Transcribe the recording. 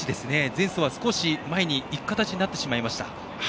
前走は少し前にいく形になってしまいました。